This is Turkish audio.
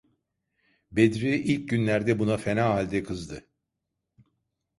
Bedri ilk günlerde buna fena halde kızdı.